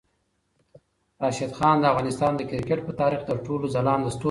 راشد خان د افغانستان د کرکټ په تاریخ کې تر ټولو ځلاند ستوری دی.